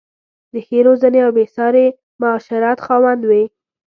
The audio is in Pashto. د ښې روزنې او بې ساري معاشرت خاوند وې.